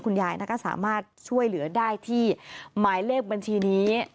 คุณยายก็สามารถช่วยเหลือได้ที่หมายเลขบัญชีนี้